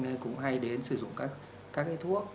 nên cũng hay đến sử dụng các cái thuốc